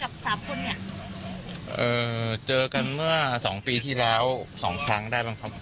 สามคนเนี่ยเอ่อเจอกันเมื่อสองปีที่แล้วสองครั้งได้บ้างครับ